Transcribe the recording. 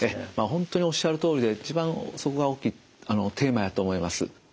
本当におっしゃるとおりで一番そこが大きいテーマやと思います。